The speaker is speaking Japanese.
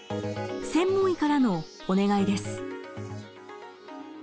専門医からのお願いです。